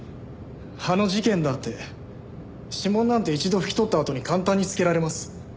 あの事件だって指紋なんて一度拭き取ったあとに簡単に付けられます。